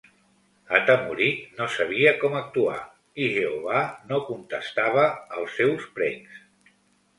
Atemorit, no sabia com actuar i Jehovà no contestava els seus precs.